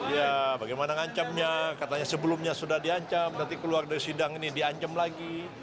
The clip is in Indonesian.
ya bagaimana ngancamnya katanya sebelumnya sudah diancam nanti keluar dari sidang ini diancam lagi